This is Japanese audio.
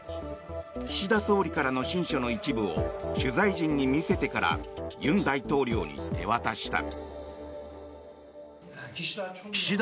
岸田総理からの親書の一部を取材陣に見せてから尹大統領に手渡した。